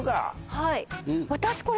はい。